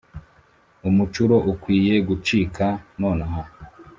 umucuro ukwiye gucika nonaha